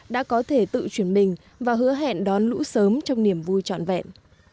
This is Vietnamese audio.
đã có thể tự chuyển mình và hứa hẹn đón lũ sớm trong niềm vui trọn vẹn